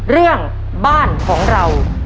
เรื่องบ้านของเรา